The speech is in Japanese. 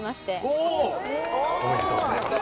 おおめでとうございます。